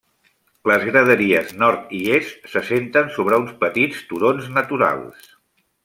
Les graderies nord i est s'assenten sobre uns petits turons naturals.